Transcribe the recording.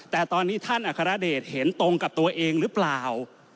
แต่ตอนนี้ท่านอัครเดชเห็นตรงกับตัวเองหรือเปล่า